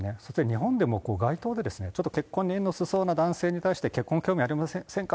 日本でも街頭で、ちょっと縁に薄そうな男性に対して、結婚興味ありませんか？